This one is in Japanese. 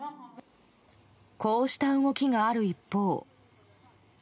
こうした動きがある一方。